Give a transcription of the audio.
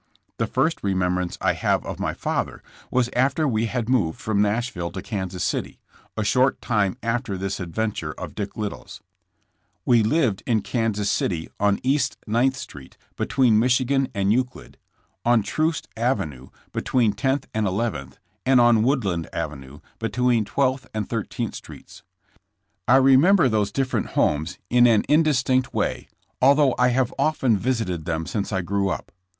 The first remembrance I have of my father, was after we had moved from Nashville to Kansas City, a short time after this adventure of Dick Liddill 's. We lived in Kansas City, on East Ninth Street, be tween Michigan and Euclid; on Troost Avenue, be tween Tenth and Eleventh and on Woodland Avenue, between Twelfth and Thirteenth streets. I remem ber those different homes in an indistinct way, al though I have often visited them since I grew up.